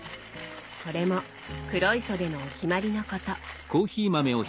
これも黒磯でのお決まりのこと。